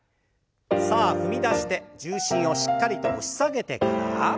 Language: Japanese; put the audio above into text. さあ踏み出して重心をしっかりと押し下げてから。